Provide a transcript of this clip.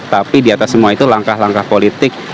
tapi di atas semua itu langkah langkah politik